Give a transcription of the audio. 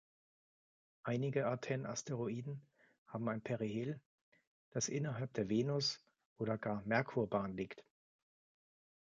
Einige Aten-Asteroiden haben ein Perihel, das innerhalb der Venus- oder gar Merkurbahn liegt.